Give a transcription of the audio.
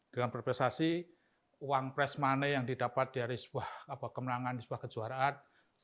dengan berprestasi uang press money yang didapat dari sebuah kemenangan di sebuah kejuaraan